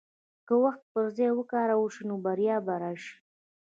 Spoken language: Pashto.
که وخت پر ځای وکارول شي، نو بریا به راشي.